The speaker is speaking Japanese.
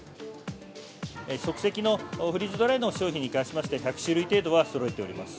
即席のフリーズドライの商品に関しましては、１００種類程度はそろえております。